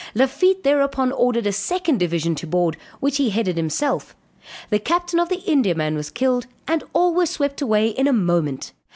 Lafitte thereupon ordered a second division to board, which he headed himself; the captain of the Indiaman was killed, and all were swept away in a moment.